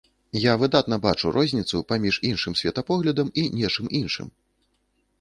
Я выдатна бачу розніцу паміж іншым светапоглядам і нечым іншым.